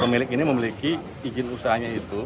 pemilik ini memiliki izin usahanya itu